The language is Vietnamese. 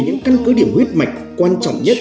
những căn cứ điểm huyết mạch quan trọng nhất